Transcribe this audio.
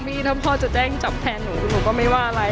ถ้าพ่อจะแจ้งจับแทนหนูหนูก็ไม่ว่าอะไร